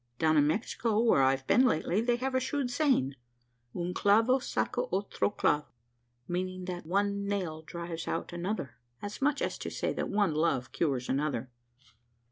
Down in Mexico, where I've been lately, they have a shrewd saying: Un clavo saca otro clavo, meaning that `one nail drives out another' as much as to say, that one love cures another."